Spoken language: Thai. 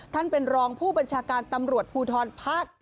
ท่านเป็นรองผู้บัญชาการตำรวจภูทรภาค๗